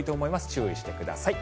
注意してください。